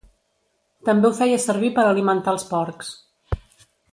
També ho feia servir per alimentar els porcs.